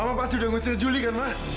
mama pasti udah nguceh juli kan ma